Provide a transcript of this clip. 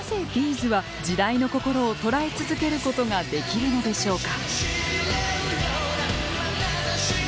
’ｚは時代の心を捉え続けることができるのでしょうか。